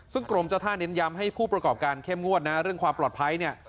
ซึ่งกรมเจ้าท่าเน้นย้ำให้ผู้ประกอบการเข้มงวดนะเรื่องความปลอดภัยเนี่ย